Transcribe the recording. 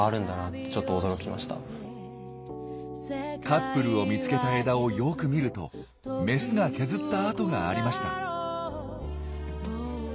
カップルを見つけた枝をよく見るとメスが削った跡がありました。